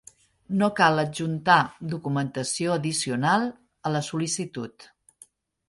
No cal adjuntar documentació addicional a la sol·licitud.